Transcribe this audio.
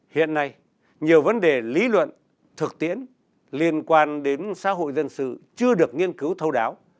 hiện nay nhiều vấn đề lý luận thực tiễn liên quan đến xã hội dân sự chưa được nghiên cứu thâu đáo